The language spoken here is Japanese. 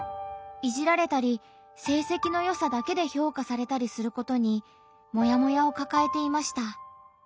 いじられたり成績のよさだけで評価されたりすることにモヤモヤをかかえていました。